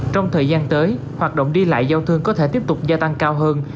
trong thời gian tới hoạt động đi lại giao thương có thể tiếp tục gia tăng cao hơn